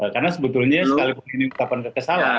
karena sebetulnya sekalipun ini ungkapan kekesalan